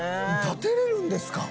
建てれるんですか？